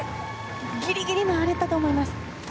ギリギリ認められたと思います。